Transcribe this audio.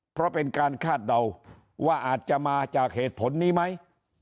เพราะเป็นการคาดเดาว่าอาจจะมาจากเหตุผลนี้ไหม